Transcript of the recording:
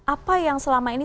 apa yang selama ini